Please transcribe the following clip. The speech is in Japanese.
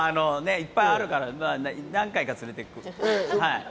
いっぱいあるから何回か連れて行く。